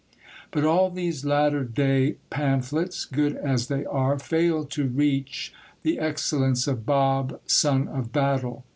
But all these latter day pamphlets, good as they are, fail to reach the excellence of Bob, Son of Battle.